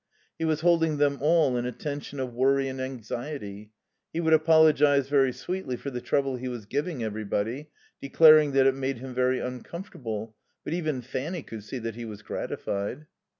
He was holding them all in a tension of worry and anxiety. He would apologize very sweetly for the trouble he was giving everybody, declaring that it made him very uncomfortable; but even Fanny could see that he was gratified.